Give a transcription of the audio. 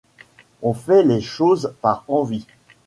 On fait les choses par envie